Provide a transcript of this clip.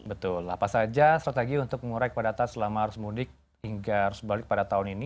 betul apa saja strategi untuk mengurai kepada tas selama arus mudik hingga sebalik pada tahun ini